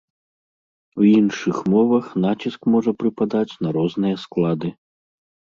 У іншых мовах націск можа прыпадаць на розныя склады.